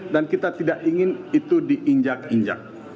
dan kita tidak ingin itu diinjak injak